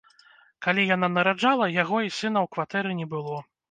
Калі яна нараджала, яго і сына ў кватэры не было.